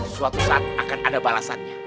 suatu saat akan ada balasannya